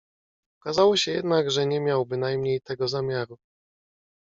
"Okazało się jednak, że nie miał bynajmniej tego zamiaru."